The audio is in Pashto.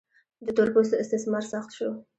د تور پوستو استثمار سخت شو.